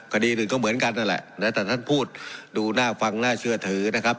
คดีหนึ่งก็เหมือนกันนั่นแหละนะแต่ท่านพูดดูน่าฟังน่าเชื่อถือนะครับ